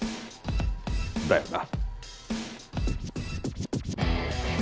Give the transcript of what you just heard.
だよな？